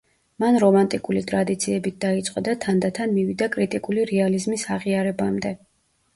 მან რომანტიკული ტრადიციებით დაიწყო და თანდათან მივიდა კრიტიკული რეალიზმის აღიარებამდე.